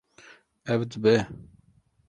Ew dibe